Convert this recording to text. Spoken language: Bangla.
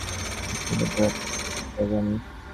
কোন সংজ্ঞা দ্বারা তাঁকে প্রকাশ করা যায় না।